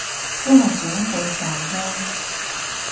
都係長輩煩啫